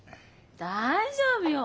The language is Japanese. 大丈夫よ。